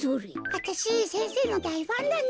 あたしせんせいのだいファンなんです。